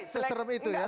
seserem itu ya